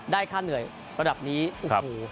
ค่าเหนื่อยระดับนี้โอ้โห